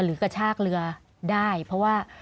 กระชากเรือได้เพราะว่า